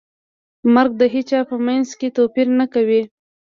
مرګ د هیچا په منځ کې توپیر نه کوي.